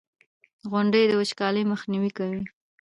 • غونډۍ د وچکالۍ مخنیوی کوي.